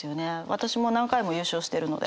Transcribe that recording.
私も何回も優勝してるので。